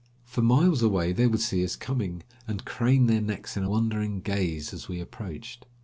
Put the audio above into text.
For miles away they would see us coming, and crane their necks in wondering gaze as we approached.